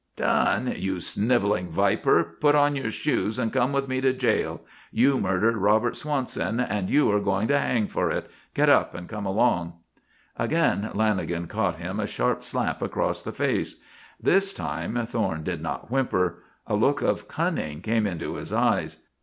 "Done? You snivelling viper, put on your shoes and come with me to jail. You murdered Robert Swanson and you are going to hang for it. Get up and come along." Again Lanagan caught him a sharp slap across the face. This time Thorne did not whimper. A look of cunning came into his eyes.